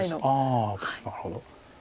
ああなるほど。